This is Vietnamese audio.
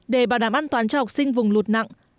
để bảo đảm an toàn cho học sinh vùng lụt nặng